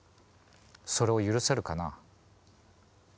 それを許せるかな？